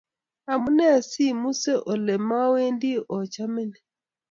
omunee si omuse ale mowendi ochome ni?